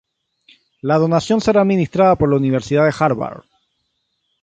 La donación será administrada por la Universidad de Harvard.